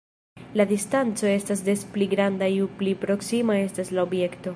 La distanco estas des pli granda ju pli proksima estas la objekto.